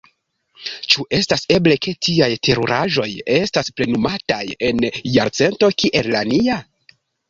Ĉu estas eble, ke tiaj teruraĵoj estas plenumataj en jarcento kiel la nia!